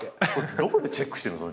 どこでチェックしてるの？